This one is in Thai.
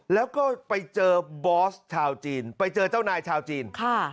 แล้วก็ไปเจอบอสชาวจีนไปเจอเจ้านายชาวจีนค่ะ